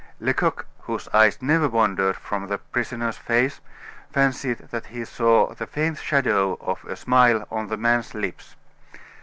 Lecoq, whose eyes never wandered from the prisoner's face, fancied that he saw the faint shadow of a smile on the man's lips.